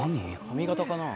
髪型かな？